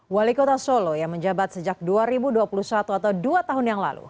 wali kota solo yang menjabat sejak dua ribu dua puluh satu atau dua tahun yang lalu